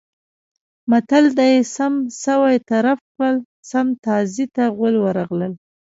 متل دی: سم سوی طرف کړل سم تازي ته غول ورغلل.